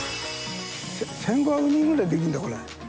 １５００人くらいできるんだ、これ。